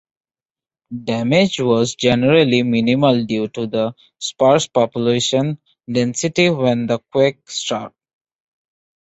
Damage was generally minimal due to the sparse population density when the quake struck.